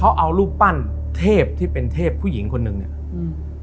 เขาเอารูปปั้นเทพที่เป็นเทพผู้หญิงคนหนึ่งเนี้ยอืม